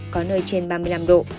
có nơi trên ba mươi năm độ